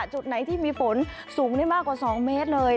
จุดไหนที่มีฝนสูงได้มากกว่า๒เมตรเลย